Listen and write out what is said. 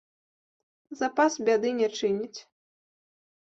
Запас бяды не чыніць.